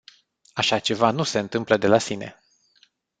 Așa ceva nu se întâmplă de la sine.